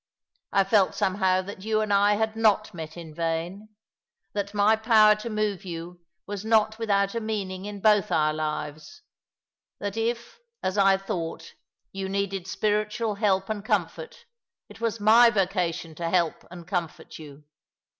I felt somehow that you and I had not met in vain — that my power to move you was not without a meaning in both our lives ; that if, as I thought, you needed spiritual help and comfort, it was my vocation to help and comfort you.